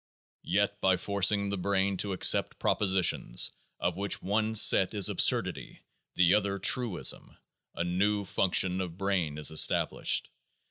Yet by forcing the brain to accept propositions of which one set is absurdity, the other truism, a new function of brain is established.